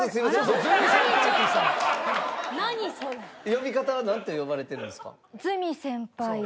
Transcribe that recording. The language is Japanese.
呼び方はなんて呼ばれてるんですか？